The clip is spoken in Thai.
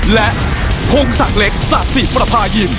และพงศักดิ์เล็กศาสิประพายิน